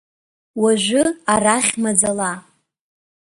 Уажәы, арахь маӡала…